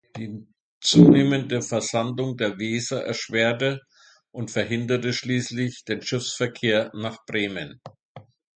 Die zunehmende Versandung der Weser erschwerte und verhinderte schließlich den Schiffsverkehr nach Bremen.